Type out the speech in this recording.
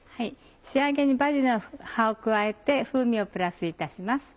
仕上げにバジルの葉を加えて風味をプラスいたします。